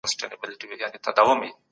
یو بل قوم دغه نظام له منځه وړي.